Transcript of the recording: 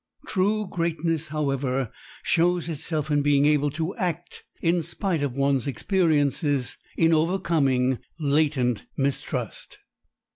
True greatness, however, shows itself in being able to act in spite of one's experiences, in overcoming latent mistrust.